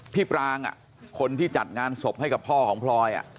พี่ปรางอ่ะคนที่จัดงานศพให้กับพ่อของพลอยอ่ะ